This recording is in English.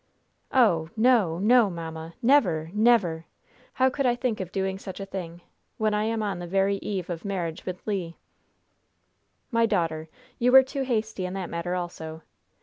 "Oh, no, no, mamma! Never! never! How could I think of doing such a thing, when I am on the very eve of marriage with Le?" "My daughter, you were too hasty in that matter also.